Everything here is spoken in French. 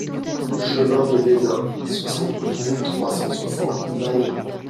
Chemin de Vezin, soixante-douze mille trois cent soixante Mayet